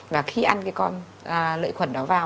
và khi ăn cái con lợi khuẩn đó vào